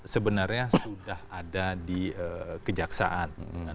sebenarnya sudah ada di kejaksaan